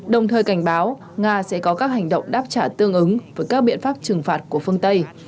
đồng thời cảnh báo nga sẽ có các hành động đáp trả tương ứng với các biện pháp trừng phạt của phương tây